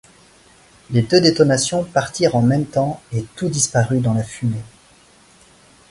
Les deux détonations partirent en même temps, et tout disparut dans la fumée.